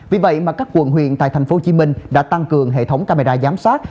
vì vậy mà các quận huyện tại tp hcm đã tăng cường hệ thống camera giám sát